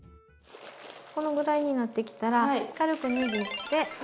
このぐらいになってきたら軽く握ってふる。